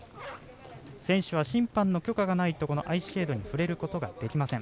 選手は審判の許可がないとこのアイシェードに触れることができません。